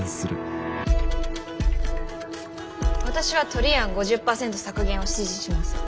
私はトリ案５０％削減を支持します。